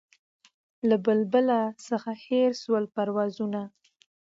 له بلبله څخه هېر سول پروازونه